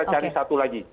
bisa cari satu lagi